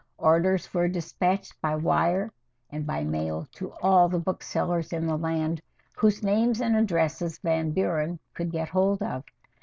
Orders were despatched by wire and by mail to all the booksellers in the land whose names and addresses Van Buren could get hold of.